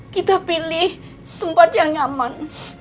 kita pilih tempat yang nyaman